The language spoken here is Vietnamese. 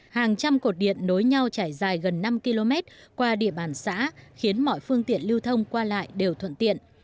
hàng trăm cột điện nối nhau trải dài gần năm km qua địa bàn xã khiến mọi phương tiện lưu thông qua lại đều thuận tiện